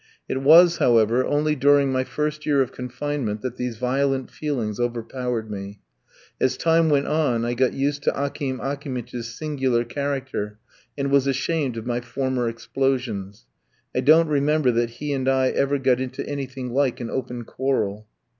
It was, however, only during my first year of confinement that these violent feelings overpowered me. As time went on, I got used to Akim Akimitch's singular character, and was ashamed of my former explosions. I don't remember that he and I ever got into anything like an open quarrel.